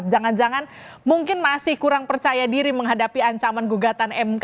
jangan jangan mungkin masih kurang percaya diri menghadapi ancaman gugatan mk